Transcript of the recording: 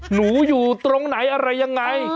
อยู่ตรงไหนอะไรยังไง